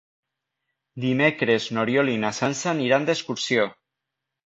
Dimecres n'Oriol i na Sança aniran d'excursió.